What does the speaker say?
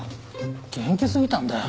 元気すぎたんだよ。